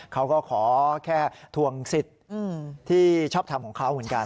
เขาก็ขอแค่ทวงสิทธิ์ที่ชอบทำของเขาเหมือนกัน